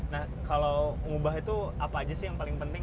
nah kalau ngubah itu apa aja sih yang paling penting